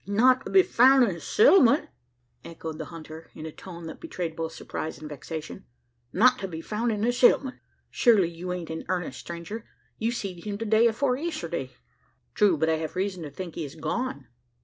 "Not to be foun' in the settlement!" echoed the hunter, in a tone that betrayed both surprise and vexation "not to be foun' in the settlement? Surely you ain't in earnest, stranger? You seed him the day afore yesterday!" "True but I have reason to think he is gone."